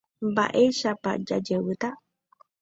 Mba'éichapa jajevýta.